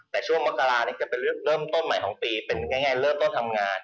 แต่ช่วงมกราเนี่ยจะเป็นเริ่มต้นใหม่ของปีเป็นง่ายเริ่มต้นทำงาน